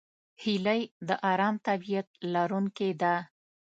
هیلۍ د آرام طبیعت لرونکې ده